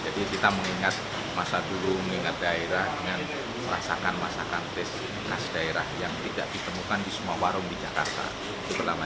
jadi kita mengingat masa dulu mengingat daerah dengan rasakan masakan khas daerah yang tidak ditemukan di semua warung di jakarta